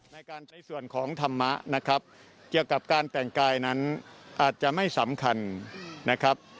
ในการใช้ส่วนของธรรมะนะครับเกี่ยวกับการแต่งกายนั้นอาจจะไม่สำคัญนะครับ